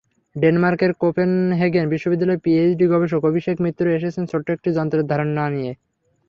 ডেনমার্কের কোপেনহেগেন বিশ্ববিদ্যালয়ের পিএইচডি গবেষক অভিষেক মিত্র এসেছেন ছোট্ট একটি যন্ত্রের ধারণা নিয়ে।